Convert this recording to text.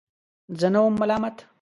زه نه وم ملامت.